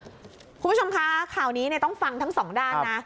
คุณผู้ชมคะข่าวนี้ต้องฟังทั้งสองด้านนะ